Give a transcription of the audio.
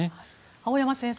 青山先生